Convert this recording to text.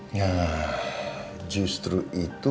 nah justru itu